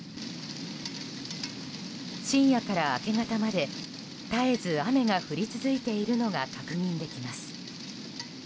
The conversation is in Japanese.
深夜から明け方まで絶えず雨が降り続いているのが確認できます。